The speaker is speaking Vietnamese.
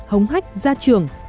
hống hách gia trường nịnh trên